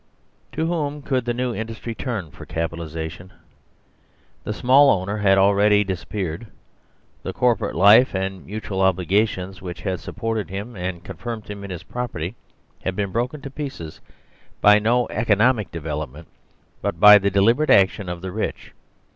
To whom could the new industry turn for capitali sation ? The small owner had already largely dis appeared. The corporate life and mutual obligations which had supported him and confirmed him in his property had been broken to pieces by no "economic development," but by the deliberate action of the rich.